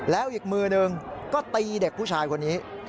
แล้วอีกมือหนึ่งก็ตีเด็กผู้ชายคนนี้